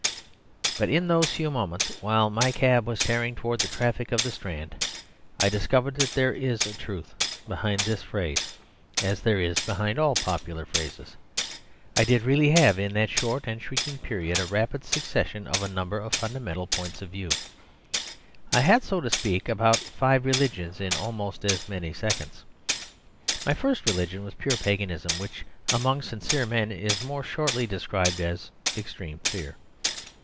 But in those few moments, while my cab was tearing towards the traffic of the Strand, I discovered that there is a truth behind this phrase, as there is behind all popular phrases. I did really have, in that short and shrieking period, a rapid succession of a number of fundamental points of view. I had, so to speak, about five religions in almost as many seconds. My first religion was pure Paganism, which among sincere men is more shortly described as extreme fear.